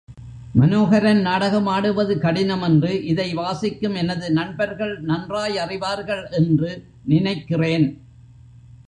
மனோஹரன் நாடகமாடுவது கடினம் என்று இதை வாசிக்கும் எனது நண்பர்கள் நன்றாயறிவார்கள் என்று நினைக்கிறேன்.